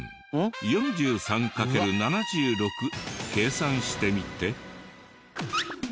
４３×７６計算してみて。